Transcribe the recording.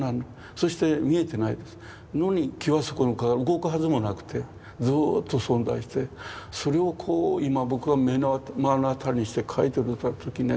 そして見えてないですのに木はそこから動くはずもなくてずっと存在してそれを今僕が目の当たりにして描いてた時ね